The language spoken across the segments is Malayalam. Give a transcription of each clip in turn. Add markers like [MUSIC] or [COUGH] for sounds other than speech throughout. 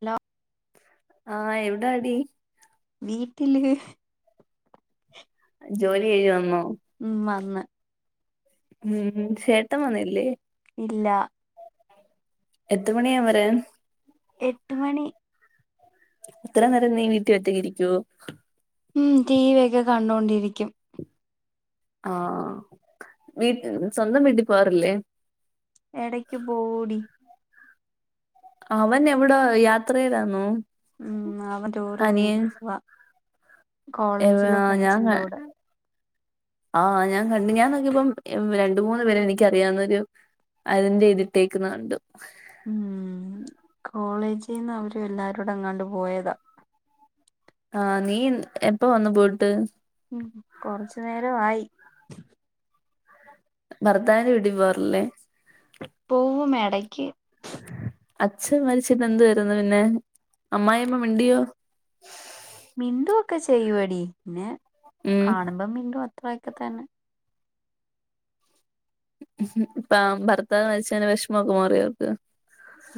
ഹലോ ആഹ എവിടാ ടി വീട്ടില് ജോലി ചെയ്തു വന്നോ ഉം വന്ന് ഉം ചേട്ട ൻവന്നല്ലേ ഇല്ല എത്ര മണിയാകും വരാൻ എട്ട മണി അത്ര നേരം നീ വീട്ടി ഒറ്റക്കി രിക്കുവോ ഉ ടി വി ഒക്കെ കണ്ടുകൊണ്ടിരിക്കും ആഹ് വീ സ്വന്തം വീണ്ടി പോാറില്ലേ ഇടയ്ക്ക് പോഓടി അവൻ എവിട യാത്ര ചെയതാന്നോ ഉം [UNINTELLIGIBLE] ഏ കോളേജിലെ ഞാൻ ഫ്രണ്ട്സിന്റെ കൂടെ ആ് ഞാൻ കണ്ടു ഞാൻക്ക ഇപ്പം രണ്ട മൂന്ന്ു പേരെ എനിക്കറിയാവുന്നൊരു അതിന്റെ ഇ്തിട്ടേക്കുന്ന കണ്ടു ഉം കോളേജിൽന്ന് അവര എല്ലാരൂ ടങ്ങാണ്ട് പോയതാ ആഹ നീ എപ്പ വന്നു പോയിട്ട് ഉ കൊറച്ചു നേര ആയി ഭർത്താവിൻ്റെവിടി പോവാറില്ലേ പോൂവും എടയ്ക്ക് അച്ഛൻ മരിച്ചിത് എന്തു വരുന്നു പിന്നെ അമ്മായിമ്മ മിണ്ടിയോ മിണ്ടുവ ഒക്കെ ചെയ്യുവടി പിന്നെ ഉം കാണുമ്പോ മിണ്ടു അത്ര ഒക്കെ തന്നെ ഇപ്പ ഭർത്താവ് മരിച്ചേന്റ വിഷമമൊക്കെ മാറിയൊ അവർക്ക്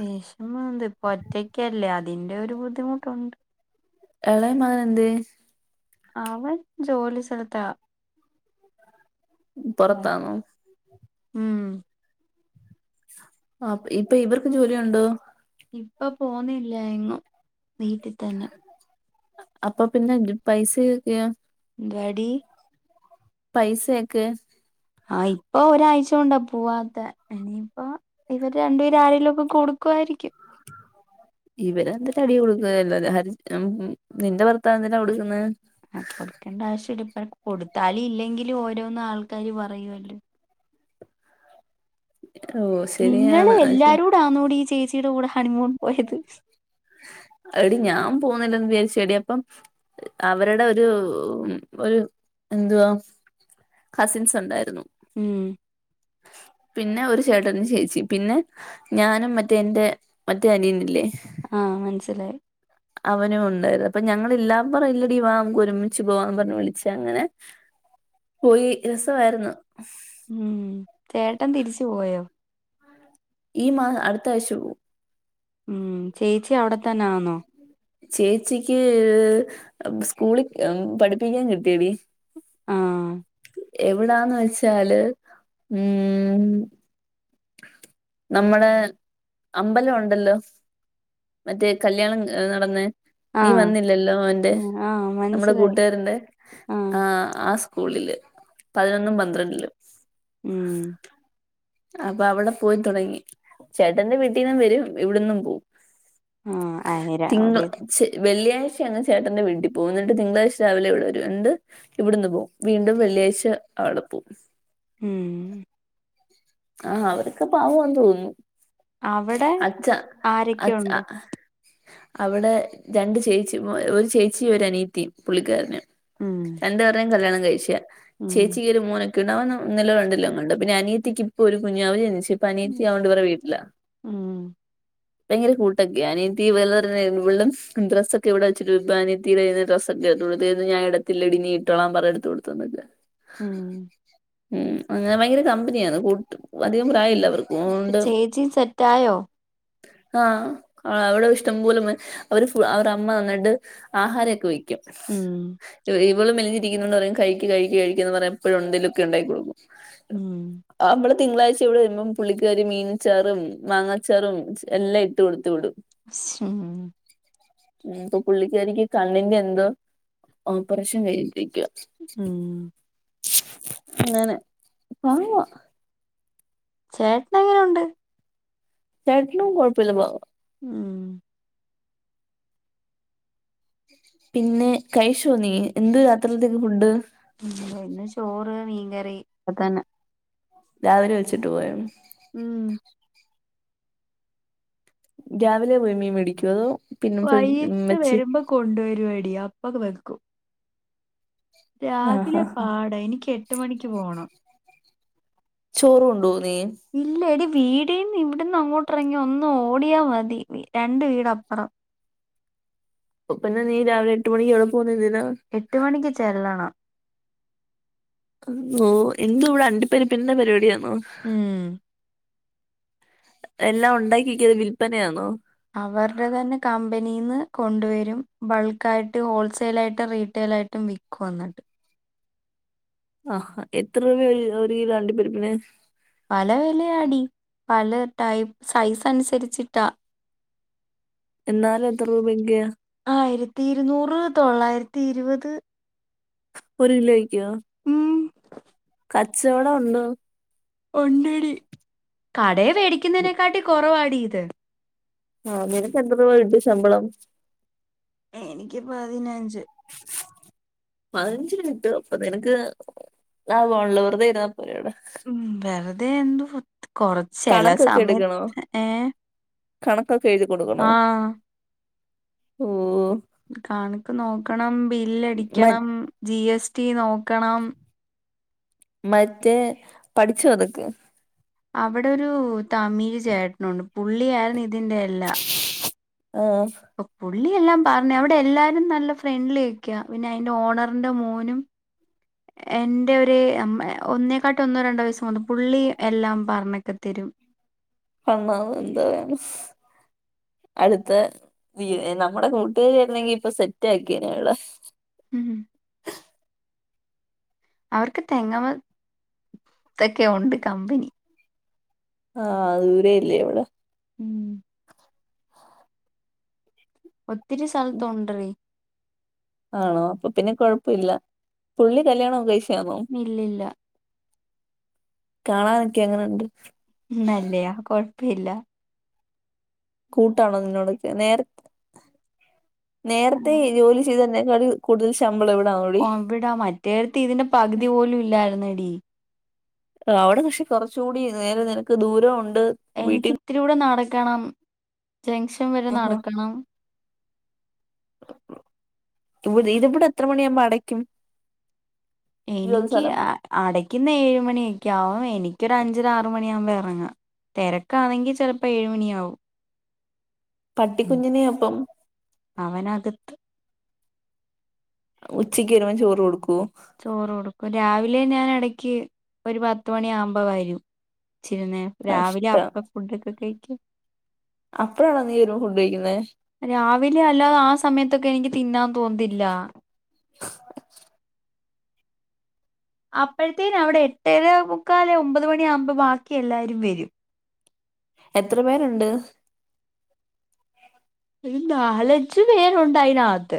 വിഷമം ഉണ്ട് ഇപ്പ ഒറ്റക്കല്ലേ അതിന്റെ ഒരു ബുദ്ധിമുട്ടുണ്ട് എളേ മകനെന്തേ അവൻ ജോലി സ്ഥലത്താ പൊറത്താന്നോ ഉം ആഹ് ഇപ്പൊ ഇവർക്ക് ജോലിയുണ്ടോ ഇപ്പൊ പോന്നില്ലേഎങ്ങും നീ അപ്പൊ പിന്നെ പൈസയുവൊക്കെയോ യെടി പൈസയൊക്കെ ആഹ് ഇപ്പൊ ഒരാഴ്ച കൊണ്ടാ പോവാത്തെ ഇനിയിപ്പോ ഇവര് രണ്ടുപേര് ആരേലുവൊക്കെ കൊടുക്കുവായിരിക്കും ഉ ഇവരെ ന്ത്‌ട്ടാടി കൊടുക്കുക വല്ലാതെ നിന്റെ ഭർത്താവെന്തിനാ കൊടുക്ക്ന്നേ ആ കൊടുക്കണ്ട ആവശ്യല്ല പ്പ കൊടുത്താലു ല്ലെങ്കിലും ഓരോന്ന് ആൾക്കാര് പറയുവ ഓഹ് നിങ്ങള് ശരിയാണ് അത് ശ എല്ലാരൂടാന്നോടി ചേച്ചീടെ കൂടെ ഹണിമൂൺ പോയത് എടി ഞാൻ പോന്നില്ലന്ന് വിചാരിച്ചടി അപ്പം അവരുടെ ഒരു ഒരു എന്തുവാ കസിൻസ് ണ്ടായിര്ന്നു ഉം പിന്നെ ഒരു ചേട്ടനും ചേച്ചിം പിന്നെ ഞാനും മറ്റേ എന്റെ മറ്റേ അനിയന്ല്ലേ ആ മൻസ്സിലായി അവനു ണ്ടായിരുന്നു അപ്പൊ ഞങ്ങളില്ലാ പറയില്ലടി വാ മ്മക്കൊരുമിച്ച് പോവാ പർഞ്ഞ് വിളിച്ചാ ങ്ങനെ പോയി രസവായിര്ന്നു ഉം ചേട്ടൻ തിരിച്ച് പോയോ ഈ മാ അടുത്തായ്ച്ചോ ഉം ചേച്ചി അവ്ടെത്തന്നെ ആന്നോ ചേച്ചിക്ക് സ്കൂളി പഠിപ്പിക്കാൻ കിട്ടിയെടി ആഹ് എവിടാന്ന് വെച്ചാല് ഉം നമ്മുടെ അമ്പല ഉണ്ടല്ലോ മറ്റേ കല്യാണം നടന്നെ ആ നീ വന്നില്ലല്ലോ അവന്റെ ഉം, ആ നമ്മുടെ മനസ്സിലായി കൂട്ടുകാരന്റെ ആ ആ സ്കൂളില് പതിനൊന്നും പന്ത്രണ്ടിലും ഉം അപ്പ അവടെ പോയി തുടങ്ങി ചേട്ടന്റെ വീട്ടീന്നും വരും ഇവിട്ന്നും പോ ആ ആയിര തിങ്കൾ ഒരു [INAUDIBLE] വെള്ളിയാഴ്ച അങ് ചേട്ടന്റെ വീട്ടി പോവും ന്നട്ട് തിങ്കളാഴ്ച രാവിലെ ഇവിടെവരും എന്ത് ഇവടന്ന് പോവും വീണ്ടും വെള്ളിയാഴ്ച അവടെ പോവും ഉം ഉം ആഹ് അവരൊക്കെ പാവാന്ന് തോന്നുന്നു അവിടെ അച്ച അച്ച ആരൊക്കെയുണ്ട്? അവടെ രണ്ട് ചേച്ചിമാ ഒര് ചേച്ചി ഒരനിയത്തിം പുള്ളിക്കാരന് ഉം രണ്ട്പേർടെയും കല്യാണം കഴിച്ചയാണ് ഉം ചേച്ചിക്കൊര് മോ ക്ക്ണവൻ ഒന്നിലോ രണ്ടിലെങ്ങാണ്ട് പിന്നെ അനിയത്തിക്ക് പ്പൊര് കുഞ്ഞാവ ജൻച്ച് ഇപ്പനിയത്തി അവന്റെ വടെ വീട്ട്ല ഉം ഭയങ്കര കൂട്ടൊക്കെയ അനിയത്തി വളർഞ്ഞെ വൾടെ ഡ്രസ്സൊക്കെ ഇവിടെ വെച്ചിട്ട് ഇപ്പ നിയത്തീടെ ഡ്രസ്സൊക്കെ കൊട്ത്തേന്ന് ഞാൻ ഇടത്തില്ലെടി നീ ഇട്ടോളാൻ പറ എടുത്ത് കൊടുത്തന്നല്ല ഉം ഉം ഞങ്ങ ഭയങ്കര കമ്പനിയാന്ന് കൂ വധികം പ്രായല്ലവർക്ക് ഓണ്ട് ചേച്ചി സെറ്റായോ? ആഹ് അവടെ ഇഷ്ടം പോലെ മ് അവര് അവർ അമ്മ നന്നിട്ട് ആഹാരൊക്കെ വയ്ക്കും ഉം വൾ മെലിഞ്ഞിരിക്കുന്നോണ്ടറിം കഴിക്ക് കഴിക്ക് കഴിക്കന്ന് പറഞ്ഞ് എപ്പഴും ന്തേലൊക്കെണ്ടായി കൊടുക്കും ഉം ആ ഹ് തിങ്കളാഴ്ച ഇവിടെ വരുമ്പം പുള്ളിക്കാരി മീനച്ചാറും മാങ്ങാച്ചാറും എല്ലാം ഇട്ട് കൊടുത്തു വിടും ഉം ഉം പ്പൊ പുള്ളിക്കാരിക്ക് കണ്ണിന്റെ ന്തോ ഓപ്പറേഷൻ കഴിഞ്ഞിട്ടിരിക്ക. ഉം ങ്ങനെ പാങ്ങോ ചേട്ടങ്ങനെ ഉണ്ട് ചേട്ടനും കൊയ്പ്പില്ല പ ഉം പിന്നെ കൈച്ചോ നീ എന്ത് രാത്രികത്തേക്ക് ഫുഡ് ഇന്ന് ചോറ് മീൻകറി ഇപ്പ തന്ന രാവിലെ വെച്ചിട്ട് പോയോ ഉം രാവിലെ പോയി മീൻ മേടിക്കുവോ അതോ പിന്നെ ഫ്രി വെച്ച് കൊണ്ട് വരുവെടി അപ്പൊ വെക്കും ആഹ് രാവിലെ ആഹ് പാട എനിക്ക് എട്ട് മണിക്ക് പോണം ചോറ് കൊണ്ട് പോകുവോ നീ ഇല്ല ടി വീടിന്ന് ഇവിടെന്ന് അങ്ങോട്ട് ഇറങ്ങി ഒന്ന് ഓടിയാൽ മതി രണ്ട് വീടപ്പുറം അപ്പം പിന്നെ നീ രാവിലെ എട്ട് മണിക്ക് അവിടെ പോകുന്നത് എന്തിനാ എട്ട് മണിക്ക് ചെല്ലണം എന്തു ഇവിടെ അണ്ടി പരിപ്പിൻ്റെ പരിപാടിയാണോ ഉം എല്ലാം ഉണ്ടാക്കി വെക്കുവോ അതോ വില്പനയാണോ അവരുടെ തന്നെ കമ്പനിന്ന് കൊണ്ടുവരും ബൾക്ക് ആയിട്ട് ഹോൾസെയിൽ ആയിട്ടും റീറ്റെയിൽ ആയിട്ടും വിക്കും കൊന്നട്ട് ആഹ് എത്ര രൂപ ഒരു കിലോ അണ്ടി പരിപ്പിന് പല വിലയാടി പല ടൈപ്പ് സൈസ് അനുസരിച്ചിട്ടാ എന്നാലും എത്ര രൂപയൊക്കെയാ ആയിരത്തി ഇരുന്നൂറ് തൊള്ളായിരത്തി ഇരുപത് ഒരു കിലോയ്ക്കോ ഉം കച്ചവടം ഉണ്ടോ ഒണ്ടടി കടേ വേടിക്കുന്നതിനെക്കാട്ടി കൊറവാടി ഇത് ആഹ് നിനക്ക് എത്ര രൂപ കിട്ടും ശമ്പളം എനിക്ക് പതിനഞ്ച് [INAUDIBLE] പതിനഞ്ച് കിട്ടോ അപ്പൊ നിനക്ക് ലാഭം ആണല്ലോ വെറുതെയിരുന്നപ്പോരേ അവിട ഉം വെറുതെ എന്ത് കൊറച്ച് ചെല കണക്കൊക്കെ എടുക്കണോ സമയത്ത് ഏഹ് കണക്കൊക്കെ എഴുതി കൊടുക്കണോ ഓഹ് കണക്ക് നോക്കണം മ ബില്ലടിക്കണം ജി എസ് ടി നോക്കണം മറ്റേ പഠിച്ചോ അതൊക്കെ അവിടെ ഒരു തമിഴ് ചേട്ടനുണ്ട് പുള്ളിയായിരുന്നു ഇതിൻ്റെയെല്ലാം ആഹ് ഇപ്പൊ പുള്ളിയെല്ലാം പറഞ്ഞു അവിടെ എല്ലാരും നല്ല ഫ്രണ്ട്ലി ഒക്കേയാ പിന്നെ അയിന്റെ ഓണറിന്റെ മോനും [INAUDIBLE] എന്റെ ഒരു ഒന്നേക്കാട്ടി ഒന്നോ രണ്ടോ വയസ്സ് [UNINTELLIGIBLE] പുള്ളി എല്ലാം പറഞ്ഞൊക്കെ തരും അന്നാന്ന് എന്താ പറയാന് അടുത്ത നമ്മുടെ കൂട്ടുകാരി അല്ലെങ്കി ഇപ്പൊ സെറ്റ് ആക്കിയെനേ ഉം ഉ അവർക്ക് തെങ്ങമ്മ ത്തൊക്കെ ഉണ്ട് കമ്പനി ആഹ് [UNINTELLIGIBLE] [INAUDIBLE] ഒത്തിരി സ്ഥലത്ത് ഉണ്ടറി ആണോ അപ്പൊ പിന്നെ കൊയപ്പല്ല പുള്ളി കല്യാണം ഒക്കെ കഴിച്ചതാണോ ഇല്ലില്ല കാണാനൊക്കെ എങ്ങനെണ്ട് നാല്ലയ കൊഴപ്പമില്ല കൂട്ടാണോ നിന്നോടൊക്കെ നേര നേരത്തെ ആഹ്. ജോലി ചെയ്ത് തന്നെ ക കൂടുതൽ ശമ്പളം എവി മറ്റേടുത്ത് ഇതിന്റെ പകുതി പോലും ഇല്ലായിരുന്നടി അവിടെ പക്ഷെ കുറച്ചുടി നേരെ നിനക്ക് ദൂരം ഉണ്ട് എനിക്ക് വീട്ടിൽ നിന്ന്. ഇത്തിരി കൂടെ നടക്കണം ജംഗഷൻ വരെ ആഹാ നടക്കണം [INAUDIBLE] [UNINTELLIGIBLE] എത്ര മണാവുമ്പോ അടയ്ക്കും ജോലി എനിക്ക് സ്ഥലം അടയ്ക്കുന്ന ഏഴ മണിയൊക്കെ ആവും എനിക്കൊരു അഞ്ചാര ആറു മണിയാകുമ്പോൾ എറങ്ങാ തിരക്കാണെങ്കിൽ ചിലപ്പോ ഏഴുമണിയവും പട്ടിക്കുഞ്ഞിനെ അപ്പം അവനകത്ത് ഉച്ചക്ക് വരുമ്പോ ചോറ് കൊടുക്കൂ ചോറ് കൊടുക്കും രാവിലെ ഞാൻ ഇടക്ക് ഒരു പത്ത് മണിയവുമ്പോ വരും ചിരുന്നേ രാവിലെ കഷ്ടം അപ്പ ഫുഡൊക്കെ കഴിക്കും അപ്പഴാണോ നീ വരുമ്പോ ഫുഡ്ഡ് കഴിക്കുന്നേ രാവിലെ അല്ലാതെ ആ സമയത്തൊക്കെ എനിക്ക് തിന്നാൻ തോന്നില്ല [INAUDIBLE] അപ്പോഴത്തേന അവിടെ എട്ടര എത്ര പേരുണ്ട് ഒരു നാലഞ്ചു പേരുണ്ടായിതിനകത്ത്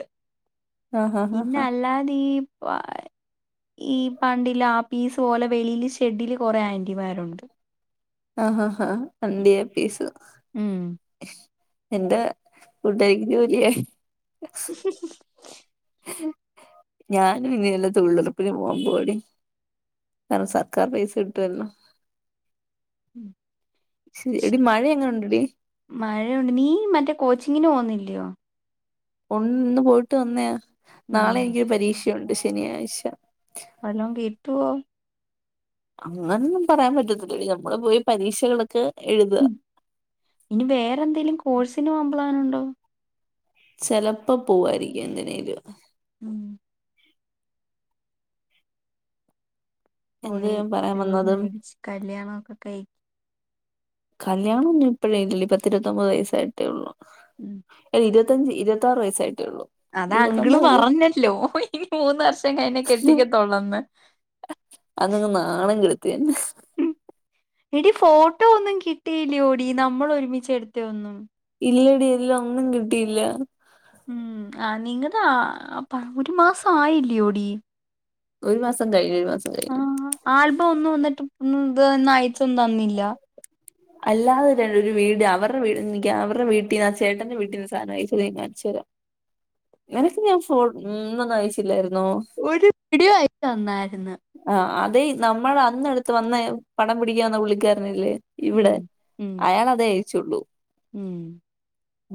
ആഹാ ഹാ പിന്നെ ഹാ അല്ലാതെ [UNINTELLIGIBLE] ഈ പണ്ടില്ല ആ പീസ് പോലെ വെളിൽ ഷെഡില് കുറെ ആന്റിമാരുണ്ട് ആഹ് ആഹ് ആഹ് അണ്ടിയ പീസ് ഉം എന്താ ഫുഡ് കഴിക്കുന്ന ജോലിയായി [UNINTELLIGIBLE] ഞാനും ഇനി നല്ല തൊഴിലുറപ്പിന് പോകുമ്പോ ഓടി സർക്കാർ പൈസ കിട്ടുവല്ലോ ശരി ഇടി ശ- മഴ എങ്ങനെ ഉണ്ടാടി മഴയുണ്ട് നീ മറ്റേ കോച്ചിങ്ങിന് പോന്നില്ലയോ ഒണ് ഇന്ന് പോയിട്ട് വന്നോ നാളെ എനിക്കാരു പരീക്ഷയുണ്ട് ശനിയാഴ്ച വല്ലോം കിട്ടോ അങ്ങനൊന്നും പറയാൻ പറ്റത്തില്ല നമ്മള് പോയി പരീക്ഷകളൊക്കെ എഴുത ഉം. ഇനി വേറെ എന്തെങ്കലും കോഴ്സിന് പോവുമ്പോ എങ്ങനെണ്ടാവും ചെിലപ്പോ പോവായിരിക്കും എന്തിനേയിലും മ്മ് എന്ത് പോയി ഞാൻ പറയാൻ ജോലി വന്നതും മേടിച്ച് കല്യാണം ഒക്കെ കഴിക്ക് കല്യാണം ഇനി ഇപ്പോയൊന്നും പത്തിരുപത്തൊമ്പത് വയസ്സായിട്ടേ ഉള്ളൂ ഇരുപത്തഞ്ച് ഇരുപത്താറ് വയസായിട്ടേ ഉള്ളൂ അതാ അംഗിള് ഇരുപത്തൊമ്പതല്ലേ പറഞ്ഞല്ലോ ഇനി മൂന്ന് വർഷം കഴിഞ്ഞ കെട്ടിക്കത്തോള്ളന്ന് അന്നങ് നാണം കിടുത്തന്നെ എടി ഫോട്ടോ ഒന്നും കിട്ടിയില്ല്യോടി നമ്മള് ഒരുമിച്ച എടുത്ത ഒന്നും? ഇല്ലടി ഇല്ല ഒന്നും കിട്ടിയില്ല. ഉം ആ നിങ്ങടേ ആ പ ഒരു മാസം ആയില്ല്യോടി ഒരു മാസം കഴിഞ്ഞ് ഒരു മാസം കഴി ആഹ് ആൽബം ഒന്നും എന്നിട്ടും ഒന്നും ത് അയച്ചൊന്നും തന്നില്ല അല്ലാതെ ര ഒരു വീഡിയോ അവരുടെ വീട് എനിക്ക് അവരുടെ വീട്ടീ ആ ചേട്ടന്റെ വീട്ടി ന്ന് സാനയച് കാണിചെരാം നിനക്ക് ഞാൻ ഫോൺന്നൊന്നും ആയച്ചില്ലാരുന്നോ? ഒരു വീഡിയോ ആയച്ച് തന്നാരുന്ന് ആഹ് അതെ നമ്മള് അന്നടുത്ത് ഒന്ന് പടം പിടിക്കാവന്ന പുള്ളിക്കാരനില്ലേ? ഉം ഇവിടെ ഉം അയാളതേ അയച്ചുള്ളൂ. ഉം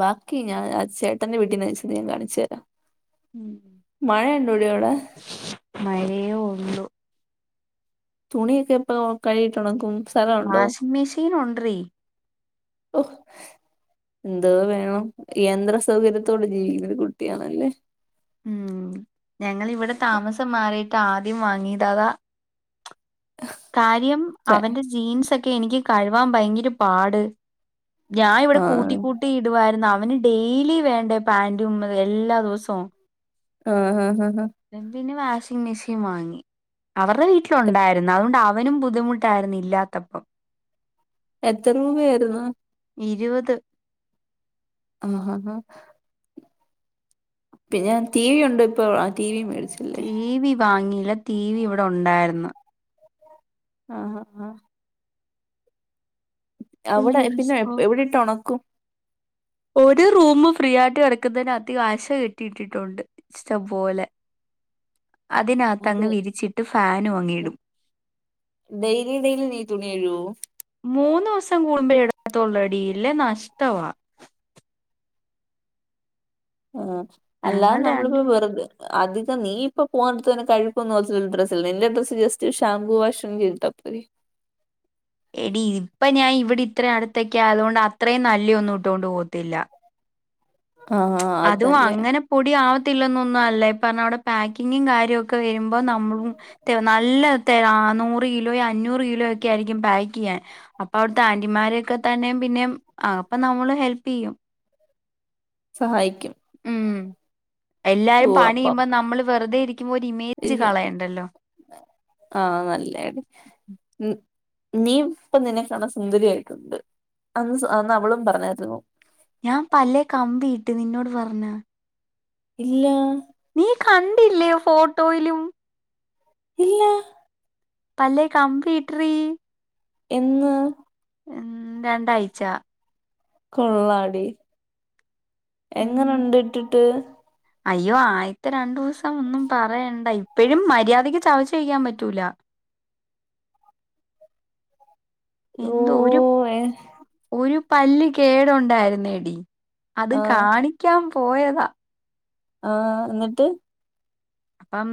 ബാക്കി ഞാൻ ആ ചേട്ടന്റെ വീട്ടീന്ന് അയച്ചത് ഞാ കാണിച്ചു തരാം. ഉം മഴ ഉണ്ടോ ടി അവിടേ മഴേ ഞ്ഞുഒള്ളൂ തുണിയൊക്കെ പ്പ കഴുകീട്ടൊണക്കും? Washing machine ഒട്രീ. ഒഹ്.. എന്തോ വേണം? യന്ത്ര സൗകര്യത്തോടെ ജീവിക്കുന്നൊരു കുട്ടിയാണല്ലേ. ഉം ഞങ്ങളിവിടെ താമസം മാറിയിട്ട് ആദ്യം വാങ്ങിയതതാ കാര്യം അവന്റെ ജീൻസൊക്കെ എനിക്ക് കഴ് വാൻ ഭയങ്കര പാട്. ഞാ ഇവടെ ആ കൂട്ടി കു ജട്ടി ഇട് വാര്ന്നു അവന് ഡെയിലി വേണ്ടേ പാന്റും എല്ലാ ദവസോം ആ ഹാഹാ എന്തിന് വാഷിംങ് മെഷീൻ വാങ്ങി. അവർടെ വീട്ടിലുണ്ടായിര്ന്നു അഓണ്ട് വനും ബുദ്ധിമുട്ടായിര്ന്നു ഇല്ലാത്തപ്പം. എത്ര രൂപയേര്ന്നു ഇരുവത്. ആഹ ഹാ. പിന്നെ ടിവിയുണ്ട് ഇപ്പോ ആ ടി വി മേടിച്ചു ടി വി വാങ്ങീല. ടി വി ഇവടെ ഉണ്ടായിര്ന്ന്‌. ആഹ ഹ. അവിടെ അയ്യോ, പിന്നെ റിസ്കോ. എവിടെട്ടൊണക്കും? ഒരു റൂമ് ഫ്രീയായിട്ട് കിടക്കുന്നേന് അധി ആശ കെട്ടിയിട്ടിട്ടുണ്ട് ഇഷ്ടംപോലെ അത് അതിനകത്തങ്ങ് വിരിച്ചിട്ട് ഫാനും അങ്ങിടും. ഡെയ്ലി ഡെയ്ലി നീ തുണ്യയുകോ മൂന്നോസം കൂടുമ്പോ ഇടത്തൊള്ളടി ഇല്ലെ നഷ്ട്ടവ. ആ അല്ലാതെ ഞങ്ങൾ നമ്മള്പ്പോ രണ്ട് വെർ അധികം നീ ഇപ്പ പോവാൻത്തന്നെ കഴപ്പന്ന് ഒരു ഡ്രസ്സ്ല്ലേ എന്റെ ഡ്രസ്സ് ജസ്റ്റ് ഷാമ്പൂ വാഷും ചെയ്തിട്ടാ പോരെ എടി ഇപ്പ ഞാൻ ഇവിടെ ഇത്രയും അടുത്തൊക്കെ ആയതോണ്ട്, അത്രേം നല്ലിയൊന്നും ഇട്ടോണ്ട് പോവത്തില്ല. ആഹ് അത് അതും നല്ലേ അങ്ങനെ പൊടിയാവത്തില്ലന്നൊന്നും അല്ല. ഇപ്പർഞ അവിടെ പാക്കിങ്ങും കാര്യോക്കെ വരുമ്പോ, പ്പ നമ്മ തെ നല്ല തെ ആ നൂറ് കിലോ, അഞ്ഞൂറ് കിലോയൊക്കെയായിരിക്കും പാക്കെയ്യാൻ. അപ്പ വ്ടത്തെ ആന്റിമാരൊക്കെ തന്നെ പിന്നേം അപ്പൊ നമ്മള് ഹെല്പെയ്യും. സഹായിക്കും. ഉം ഓ എല്ലാരും അപ്പം പണ്യേയ്യുമ്പം നമ്മള് വെറുതെ ഇരിക്കുമ്പോ ഒരു ഇമേജ് എനിക്ക് കളയണ്ട ആഹ് നല്ലയാടി. ഉം. നീ പ്പ നിന്നെ കാണാൻ സുന്ദരി ആയിട്ടുണ്ട് അന്ന് അന്ന് അവളും പറഞ്ഞാര്ന്നു ഞാ പല്ലേ കമ്പിയിട്ട്. നിന്നോട് പറഞ്ഞ? ഇല്ല നീ കണ്ടില്ലേ ഫോട്ടോയില് ഇല്ല പല്ലേ കംമ്പിയിട്രീ. എന്ന്? ആഹ് രണ്ടാഴ്ച. കൊള്ളാടി. ഉം എങ്ങനുണ്ട് ട്ട് ട്ട്. അയ്യോ ആദ്യത്തെ രണ്ടു ദിവസം ഒന്നും പറയണ്ട ഇപ്പഴും മര്യാദിക്ക് ചവച്ചഴിക്കാൻ പറ്റൂല ഓ എന്തോ ഒരു, ഏ ഒരു പല്ല് കേടുണ്ടായിരുന്നെടി. അത് ആഹ് കാണിക്കാൻ പോയതാ. ആഹ് ന്നട്ട് അം.